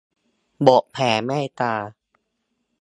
บทแผ่เมตตา